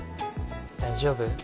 大丈夫？